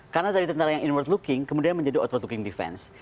karena dari tentara yang inward looking kemudian menjadi outward looking defense